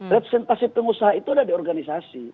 representasi pengusaha itu ada di organisasi